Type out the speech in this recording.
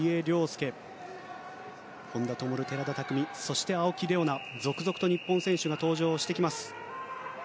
更には本多灯、寺田拓未そして青木玲緒樹と続々と日本選手が登場してきます。